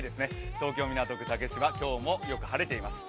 東京・港区竹芝、今日もよく晴れています。